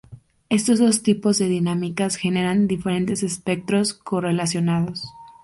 Estos dos tipos de dinámicas generan diferentes espectros correlacionados.